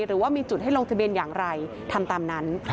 หรือว่ามีจุดให้ลงทะเบียนอย่างไรทำตามนั้น